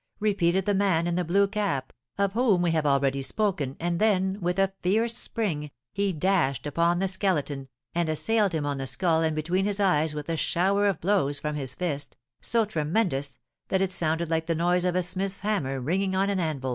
repeated the man in the blue cap, of whom we have already spoken, and then, with a fierce spring, he dashed upon the Skeleton, and assailed him on the skull and between his eyes with a shower of blows from his fist, so tremendous that it sounded like the noise of a smith's hammer ringing on an anvil.